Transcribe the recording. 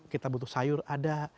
kita butuh sayur ada